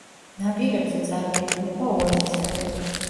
ნაპირებზე წარმოიქმნება ოაზისები.